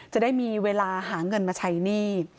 จะได้มีเวลาหาเงินมาใช้หนี้